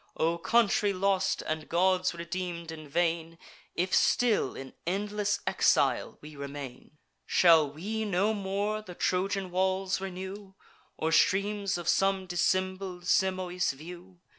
O country lost, and gods redeem'd in vain, If still in endless exile we remain! Shall we no more the Trojan walls renew, Or streams of some dissembled Simois view!